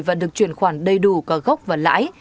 và được chuyển khoản đầy đủ có gốc và lãi